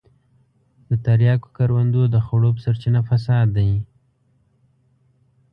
د تریاکو کروندو د خړوب سرچينه فساد دی.